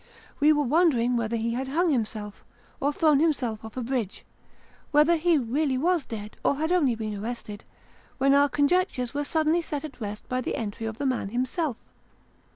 We were wondering whether he had hung himself, or thrown himself off a bridge whether he really was dead or had only been arrested when our conjectures were suddenly set at rest by the entry of the man himself.